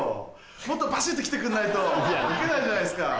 もっとばしっと来てくんないとウケないじゃないですか。